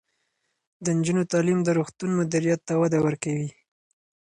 د نجونو تعلیم د روغتون مدیریت ته وده ورکوي.